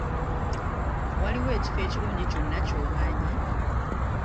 Waliwo ekifo ekirungi kyonna ky'omanyi?